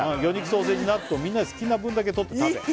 ソーセージ納豆をみんな好きな分だけ取って食べ